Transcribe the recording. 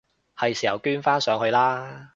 係時候捐返上去喇！